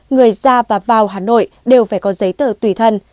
người ra và vào hà nội đều phải có giấy tờ tùy thân